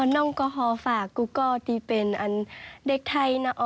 น้องก็ขอฝากกูก็เป็นเด็กไทยนะ